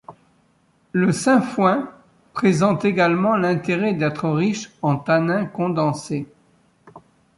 Le sainfoin présente également l'intérêt d'être riche en tanins condensés.